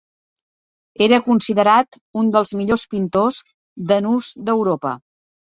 Era considerat un dels millors pintors de nus d'Europa.